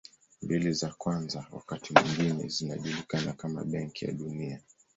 Mbili za kwanza wakati mwingine zinajulikana kama Benki ya Dunia.